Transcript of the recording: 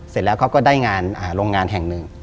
เสร็จแล้วเขาก็ได้งานโรงงานแห่งหนึ่ง